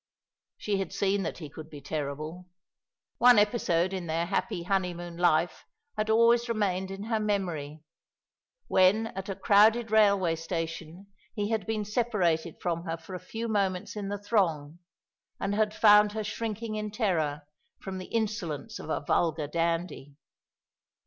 She had seen that he could be terrible. One episode in their happy honeymoon life had always remained in her memory, when at a crowded railway station he had been separated from her for a few moments in the throng and had found her shrinking in terror from the insolence of a vulgar dandy.